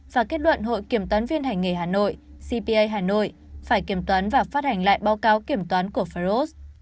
và kết luận hội kiểm toán viên hành nghề hà nội cpa hà nội phải kiểm toán và phát hành lại báo cáo kiểm toán của faros